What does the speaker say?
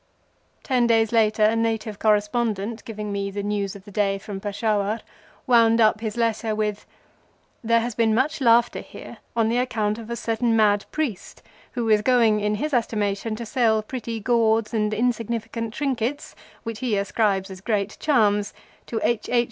Ten days later a native friend of mine, giving me the news of the day from Peshawar, wound up his letter with:—"There has been much laughter here on account of a certain mad priest who is going in his estimation to sell petty gauds and insignificant trinkets which he ascribes as great charms to H. H.